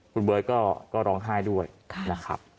คุณเบิร์ตก็ร้องไห้ด้วยนะครับ